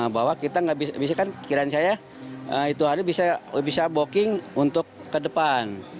bahwa kita bisa kan kiraan saya itu hari bisa booking untuk ke depan